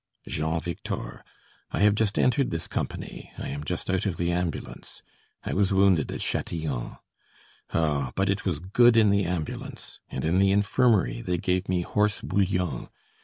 "Jean Victor I have just entered this company I am just out of the ambulance I was wounded at Châtillon oh! but it was good in the ambulance, and in the infirmary they gave me horse bouillon.